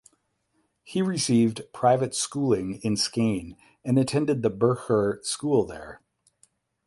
He received private schooling in Skien and attended the burgher school there.